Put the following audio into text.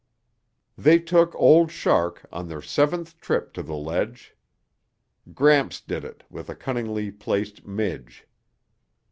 They took old shark on their seventh trip to the ledge. Gramps did it with a cunningly placed midge.